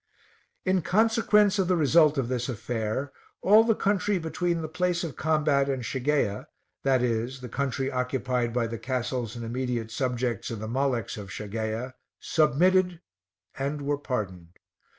In consequence of the result of this affair, all the country between the place of combat and Shageia, i.e. the country occupied by the castles and immediate subjects of the Maleks of Shageia, submitted and were pardoned.